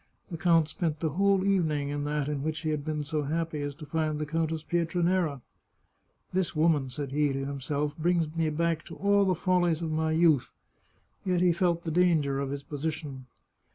The count spent the whole evening in that in which he had been so happy as to find the Countess Pietranera. " This woman," said he to himself, " brings me back to all the follies of my youth," yet he felt the danger of his position.